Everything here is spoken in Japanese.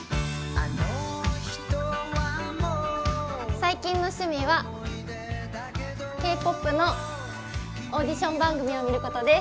最近の趣味はＫーＰＯＰのオーディション番組を見ることです。